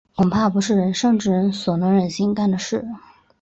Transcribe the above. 恐怕不是仁圣之人所能忍心干的事。